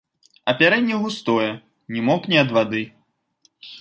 Апярэнне густое, не мокне ад вады.